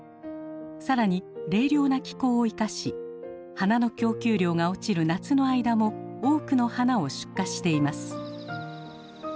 更に冷涼な気候を生かし花の供給量が落ちる夏の間も多くの花を出荷しています。